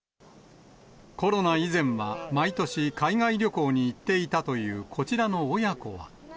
コロナ以前は、毎年、海外旅行に行っていたというこちらの親子は。